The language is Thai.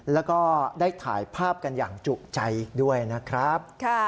แล้วก็ได้ถ่ายภาพกันอย่างจุใจอีกด้วยนะครับ